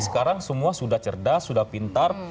sekarang semua sudah cerdas sudah pintar